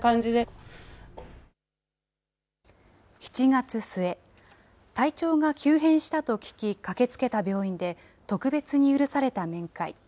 ７月末、体調が急変したと聞き、駆けつけた病院で、特別に許された面会。